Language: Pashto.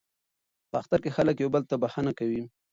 په اختر کې خلک یو بل ته بخښنه کوي.